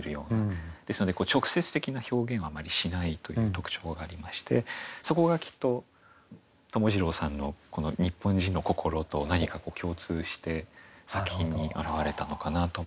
ですので直接的な表現をあまりしないという特徴がありましてそこがきっと友次郎さんのこの日本人の心と何か共通して作品に表れたのかなと。